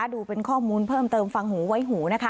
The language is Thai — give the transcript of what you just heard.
ดูเป็นข้อมูลเพิ่มเติมฟังหูไว้หูนะคะ